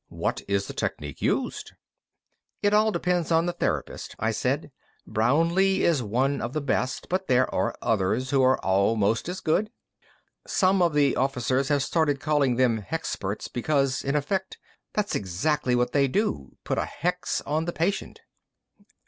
What is the technique used?" "It all depends on the therapist," I said. "Brownlee is one of the best, but there are others who are almost as good. Some of the officers have started calling them hexperts because, in effect, that's exactly what they do put a hex on the patient."